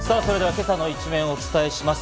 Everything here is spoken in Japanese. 今朝の一面をお伝えします。